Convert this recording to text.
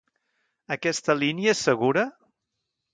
Aquesta línia és segura?